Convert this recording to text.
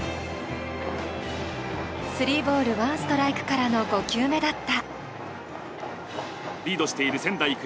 スリーボール、ワンストライクからの５球目だった。